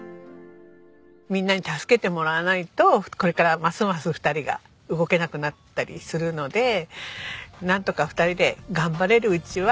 みんなに助けてもらわないとこれからますます２人が動けなくなったりするのでなんとか２人で頑張れるうちは。